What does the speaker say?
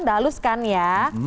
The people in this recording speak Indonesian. udah halus kan ya